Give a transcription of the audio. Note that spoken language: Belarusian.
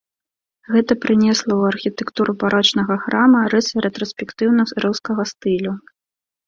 Гэта прыўнесла ў архітэктуру барочнага храма рысы рэтраспектыўна-рускага стылю.